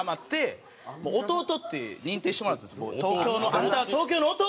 「あんたは東京の弟！